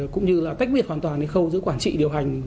cũng như cách biệt hoàn toàn khâu giữ quản trị điều hành